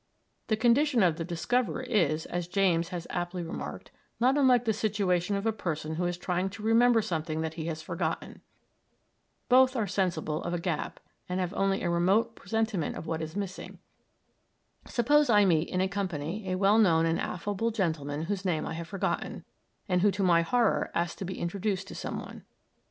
The condition of the discoverer is, as James has aptly remarked, not unlike the situation of a person who is trying to remember something that he has forgotten. Both are sensible of a gap, and have only a remote presentiment of what is missing. Suppose I meet in a company a well known and affable gentleman whose name I have forgotten, and who to my horror asks to be introduced to some one.